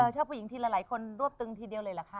เช่าผู้หญิงทีละหลายคนรวบตึงทีเดียวละคะ